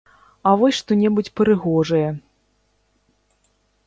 А вось што-небудзь прыгожае!